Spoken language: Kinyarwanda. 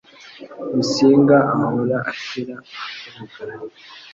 Musinga ahora ashyira ahagaragara.